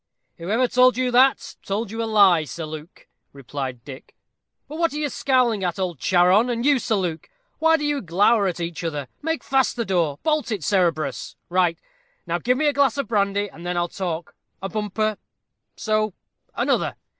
"Whoever told you that, told you a lie, Sir Luke," replied Dick; "but what are you scowling at, old Charon? and you, Sir Luke? Why do you glower at each other? Make fast the door bolt it, Cerberus right! Now give me a glass of brandy, and then I'll talk a bumper so another.